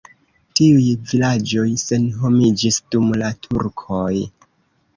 Tiuj vilaĝoj senhomiĝis dum la turkoj.